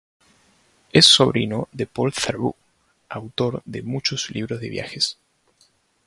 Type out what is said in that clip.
Es sobrino de Paul Theroux, autor de muchos libros de viajes.